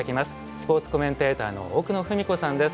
スポーツコメンテーターの奥野史子さんです。